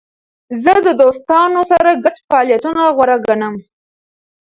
زه د دوستانو سره ګډ فعالیتونه غوره ګڼم.